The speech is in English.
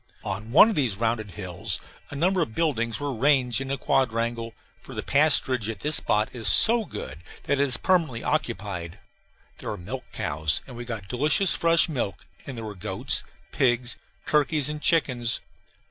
On one of these rounded hills a number of buildings were ranged in a quadrangle, for the pasturage at this spot is so good that it is permanently occupied. There were milch cows, and we got delicious fresh milk; and there were goats, pigs, turkeys, and chickens.